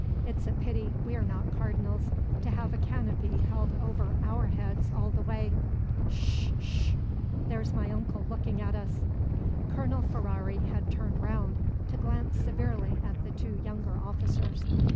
It's a pity we're not Cardinals, to have a canopy held over our heads all the way Sh sh sh! There's my uncle looking at us!" Colonel Ferrari had turned round to glance severely at the two younger officers.